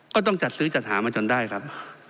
ก็ต้องจัดซื้อจัดหามาจนได้ครับ